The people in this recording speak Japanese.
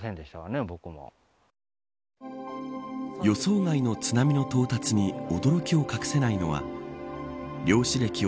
予想外の津波の到達に驚きを隠せないのは漁師歴